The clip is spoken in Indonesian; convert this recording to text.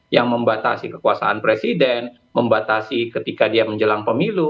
yang membatasi kekuasaan presiden membatasi ketika dia menjelang pemilu